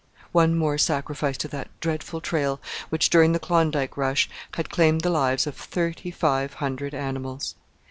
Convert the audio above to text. One more sacrifice to that dreadful trail, which, during the Klondike rush, had claimed the lives of thirty five hundred animals!